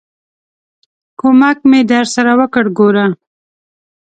ک و م ک مې درسره وکړ، ګوره!